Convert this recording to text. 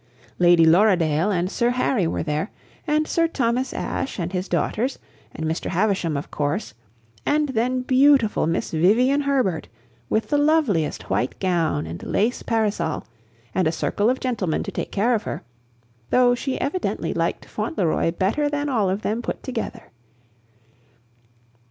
Lady Lorredaile and Sir Harry were there, and Sir Thomas Asshe and his daughters, and Mr. Havisham, of course, and then beautiful Miss Vivian Herbert, with the loveliest white gown and lace parasol, and a circle of gentlemen to take care of her though she evidently liked Fauntleroy better than all of them put together.